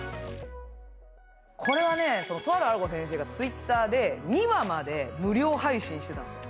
とあるアラ子先生がＴｗｉｔｔｅｒで２話まで無料配信してたんです。